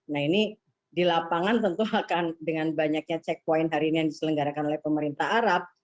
nah ini di lapangan tentu akan dengan banyaknya checkpoint hari ini yang diselenggarakan oleh pemerintah arab